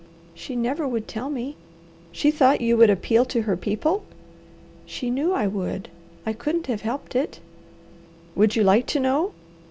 "She never would tell me." "She thought you would appeal to her people?" "She knew I would! I couldn't have helped it." "Would you like to know?"